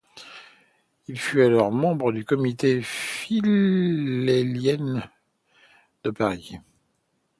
Il fut alors membre du comité philhellène de Paris.